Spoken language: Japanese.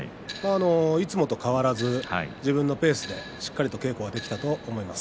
いつもと変わらず自分のペースでしっかりと稽古ができていたと思います。